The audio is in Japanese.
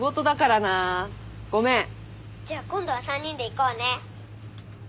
じゃあ今度は３人で行こうね。